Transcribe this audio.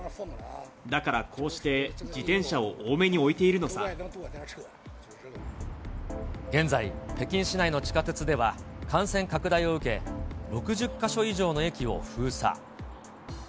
だからこうして、自転車を多めに現在、北京市内の地下鉄では、感染拡大を受け、６０か所以上の駅を封鎖。